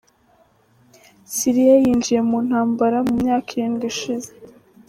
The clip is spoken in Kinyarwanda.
Siriya yinjiye mu ntambara mu myaka irindwi ishize.